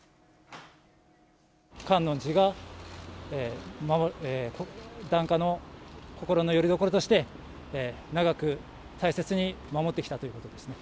観音寺が檀家の心のよりどころとして、長く大切に守ってきたということですね。